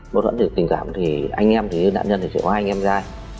mâu thuẫn và tình cảm thì anh em đạn nhân chỉ có hai anh em ra